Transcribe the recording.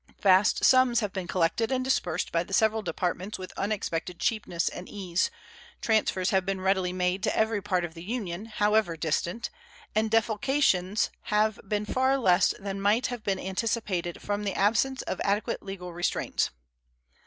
Vast sums have been collected and disbursed by the several Departments with unexpected cheapness and ease, transfers have been readily made to every part of the Union, however distant, and defalcations have been far less than might have been anticipated from the absence of adequate legal restraints.